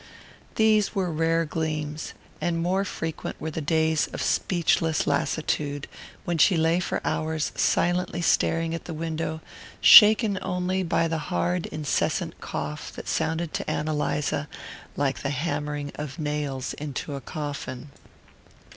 These were rare gleams; and more frequent were the days of speechless lassitude, when she lay for hours silently staring at the window, shaken only by the hard incessant cough that sounded to Ann Eliza like the hammering of nails into a coffin.